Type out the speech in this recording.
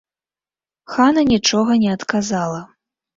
Хана нічога не адказала.